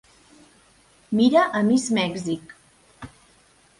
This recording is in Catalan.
Mira a Miss Mèxic.